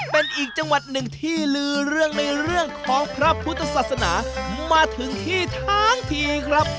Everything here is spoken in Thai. เป็นอีกจังหวัดหนึ่งที่ลือเรื่องในเรื่องของพระพุทธศาสนามาถึงที่ทั้งทีครับ